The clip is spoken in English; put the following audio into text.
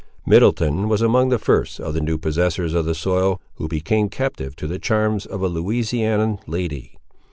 Middleton was among the first, of the new possessors of the soil, who became captive to the charms of a Louisianian lady.